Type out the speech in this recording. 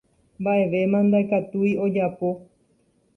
mba'evéma ndaikatúi ojapo